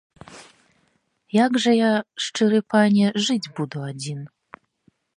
Як жа я, шчыры пане, жыць буду адзін?